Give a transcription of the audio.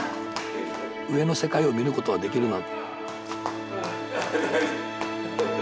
上の世界を見ることはできるな。